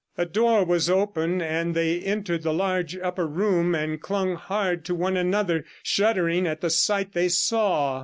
A door was open, and they entered the large upper room, and clung hard to one another, shuddering at the sight they saw.